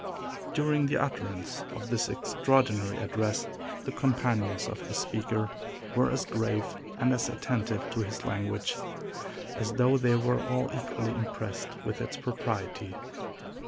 During the utterance of this extraordinary address, the companions of the speaker were as grave and as attentive to his language as though they were all equally impressed with its propriety.